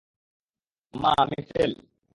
মা, আমি ফেল।